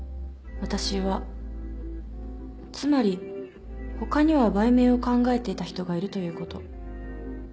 「私は」つまり他には売名を考えていた人がいるということ。